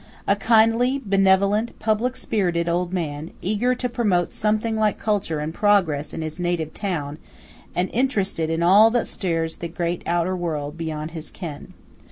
A kindly, benevolent, public spirited old man, eager to promote something like culture and progress in his native town, and interested in all that stirs the great outer world beyond his ken!